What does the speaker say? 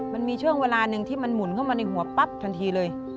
มันมีช่วงเวลาหนึ่งที่มันหมุนเข้ามาในหัวปั๊บทันทีเลย